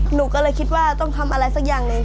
หนูก็เลยคิดว่าต้องทำอะไรสักอย่างหนึ่ง